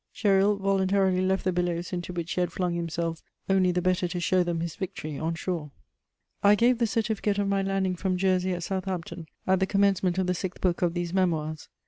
Gesril voluntarily left the billows into which he had flung himself only the better to show them his "victory" on shore. [Sidenote: And land at Southampton.] I gave the certificate of my landing from Jersey at Southampton at the commencement of the sixth book of these Memoirs.